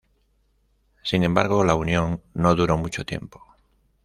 Sin embargo, la unión no duró mucho tiempo.